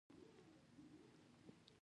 د کاسې، وطاق او چکرونو ساعتیري ده.